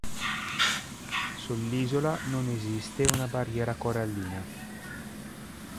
Sull'isola non esiste una barriera corallina.